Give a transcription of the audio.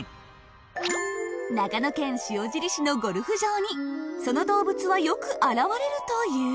長野県塩尻市のゴルフ場にその動物はよく現れるという。